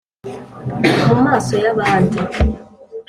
Mu maso y'abandi,